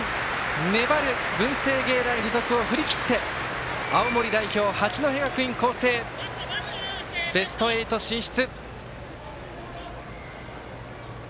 粘る文星芸大付属を振り切って青森代表、八戸学院光星ベスト８進出。